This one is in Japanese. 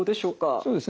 そうですね。